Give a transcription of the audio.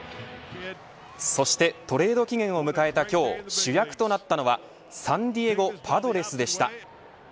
そしてトレード期限を迎えた今日主役となったのはサンディエゴ・パドレスでした。